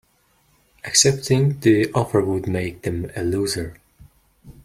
Accepting the offer would make them a loser.